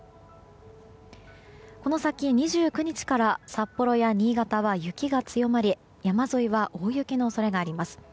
この先、２９日から札幌や新潟は雪が強まり山沿いは大雪の恐れがあります。